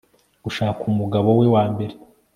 gushaka umugabo we wa mbere